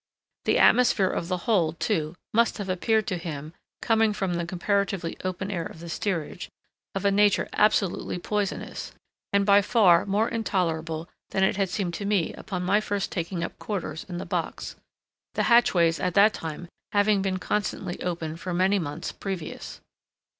The atmosphere of the hold, too, must have appeared to him, coming from the comparatively open air of the steerage, of a nature absolutely poisonous, and by far more intolerable than it had seemed to me upon my first taking up my quarters in the box—the hatchways at that time having been constantly open for many months previous.